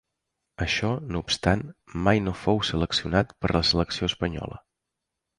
Això no obstant, mai no fou seleccionat per la selecció espanyola.